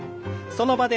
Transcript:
その場で。